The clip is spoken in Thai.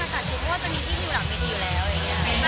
มันเหมือนกับมันเหมือนกับมันเหมือนกับ